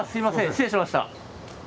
失礼しました。